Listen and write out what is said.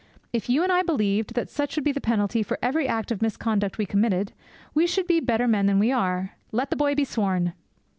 If you and I believed that such would be the penalty for every act of misconduct we committed, we should be better men than we are. Let the boy be sworn!"'